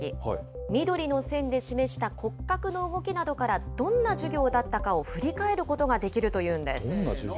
緑の線で示した骨格の動きなどから、どんな授業だったかを振り返ることができるというんです。